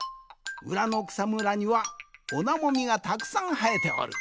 うらのくさむらにはオナモミがたくさんはえておる。